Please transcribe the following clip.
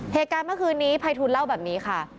เหตุการณ์เมื่อคืนนี้ภัยทูลเล่าแบบนี้ค่ะ